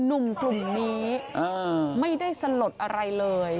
นุ่มปรุ่มนี้ไม่ได้สะหรับอะไรเลย